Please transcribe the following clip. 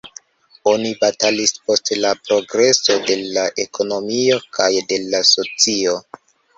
Oni batalis por la progreso de la ekonomio kaj de la socio.